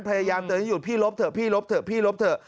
พยายามอยู่พี่ลบเถอะพี่ลบเถอะพี่ลบเถอะ